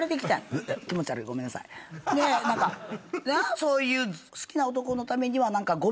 そういう好きな男のためには。